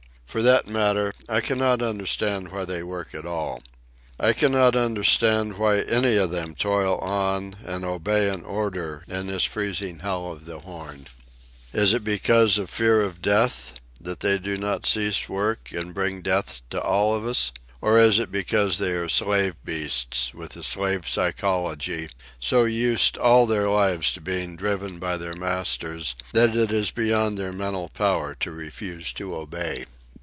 For that matter, I cannot understand why they work at all. I cannot understand why any of them toil on and obey an order in this freezing hell of the Horn. Is it because of fear of death that they do not cease work and bring death to all of us? Or is it because they are slave beasts, with a slave psychology, so used all their lives to being driven by their masters that it is beyond their mental power to refuse to obey?